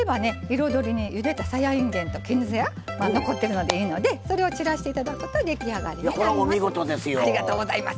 彩りにゆでたさやいんげんと絹さや残ってるのでいいのでそれを散らして頂くと出来上がりになります。